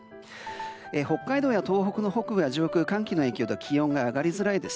北海道の上空は寒気の影響で気温が上がりづらいです。